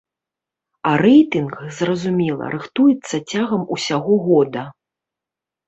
А рэйтынг, зразумела, рыхтуецца цягам усяго года.